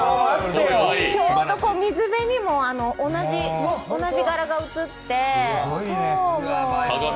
ちょうど水辺にも同じ柄が映って。